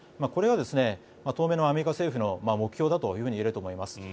これが当面のアメリカ政府の目標だといえると思います。